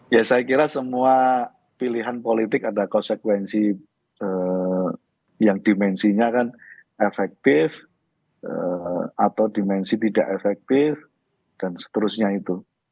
ya saya kira semua pilihan politik ada konsekuensi yang dimensinya kan efektif atau dimensi tidak efektif dan seterusnya itu